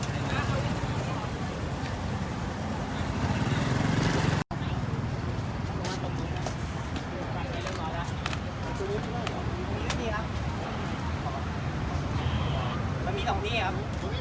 อันดับที่ที่ถึงโรงแรมสุดท้ายหลังสายของตัวเอง